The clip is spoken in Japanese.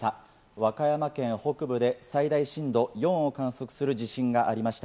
和歌山県北部で最大震度４を観測する地震がありました。